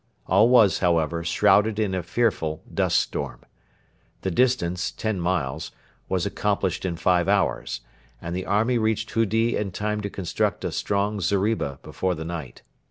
All was, however, shrouded in a fearful dust storm. The distance, ten miles, was accomplished in five hours, and the army reached Hudi in time to construct a strong zeriba before the night.